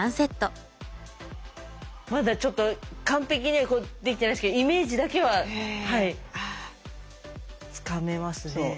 まだちょっと完璧にはできてないですけどイメージだけはつかめますね。